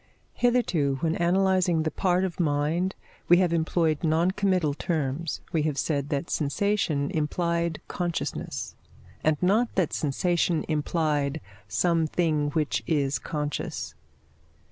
Hitherto, when analysing the part of mind, we have employed non committal terms: we have said that sensation implied consciousness, and not that sensation implied something which is conscious.